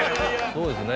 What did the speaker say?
そうですね